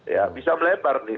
ya bisa melebar nih